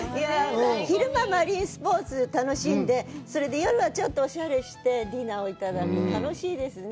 昼間はマリンスポーツを楽しんで、それで夜はちょっとおしゃれしてディナーをいただくって楽しいですね。